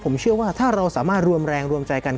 ผมเชื่อว่าถ้าเราสามารถรวมแรงรวมใจกัน